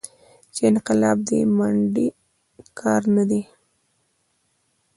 چې انقلاب دې منډې کار نه دى.